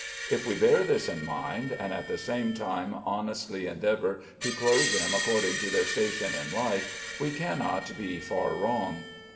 If we bear this in mind, and at the same time honestly endeavor to clothe them according to their station in life, we cannot be far wrong.